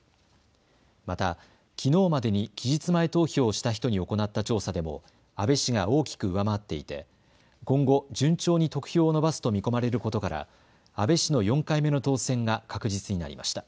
また、きのうまでに期日前投票をした人に行った調査でも阿部氏が大きく上回っていて今後、順調に得票を伸ばすと見込まれることから阿部氏の４回目の当選が確実になりました。